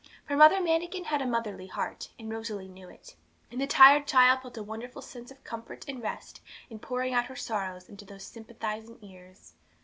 For Mother Manikin had a motherly heart, and Rosalie knew it; and the tired child felt a wonderful sense of comfort and rest in pouring out her sorrows into those sympathising ears.